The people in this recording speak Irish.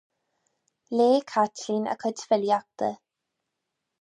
Léigh Caitlín a cuid filíochta.